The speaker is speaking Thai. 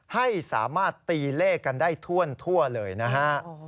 ให้สามารถตีเลขกันได้ท่วนทั่วเลยนะครับ